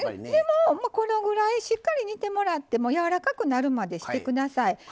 でもこのぐらいしっかり煮てもらって柔らかくなるまでして下さい。